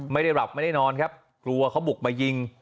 ไม่ได้หลับไม่ได้นอนครับกลัวเขาบุกมายิง